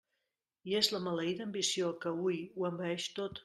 I és la maleïda ambició que hui ho envaeix tot.